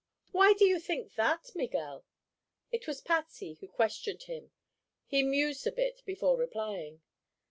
"Why do you think that, Miguel?" It was Patsy who questioned him. He mused a bit before replying.